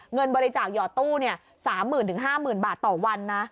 เงินบริจาคหยอดตู้๓๐๐๐๕๐๐๐บาทต่อวันนะ